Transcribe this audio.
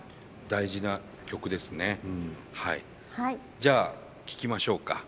じゃあ聴きましょうか。